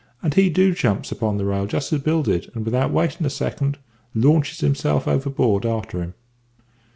"And he too jumps upon the rail just as Bill did, and, without waitin' a second, launches himself overboard a'ter him.